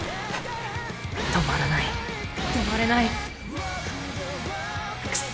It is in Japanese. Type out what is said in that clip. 止まらない止まれないくそ